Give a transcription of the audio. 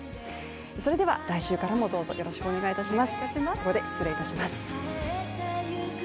それでは来週からもどうぞよろしくお願いいたします。